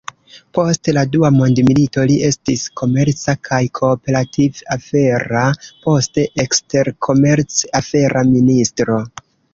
Post la dua mondmilito, li estis komerca kaj kooperativ-afera, poste eksterkomerc-afera ministro.